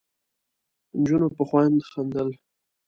نجونو په خوند خندل.